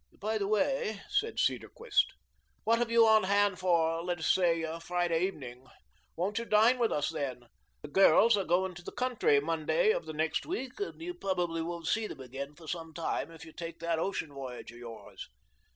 "By the way," said Cedarquist, "what have you on hand for, let us say, Friday evening? Won't you dine with us then? The girls are going to the country Monday of next week, and you probably won't see them again for some time if you take that ocean voyage of yours."